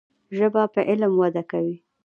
ژبه په علم وده کوي.